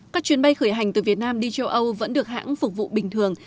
các chuyến bay khởi hành từ việt nam đi châu âu vẫn được hãng phục vụ bình thường